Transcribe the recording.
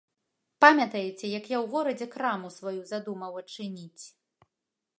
Памятаеце, як я ў горадзе краму сваю задумаў адчыніць?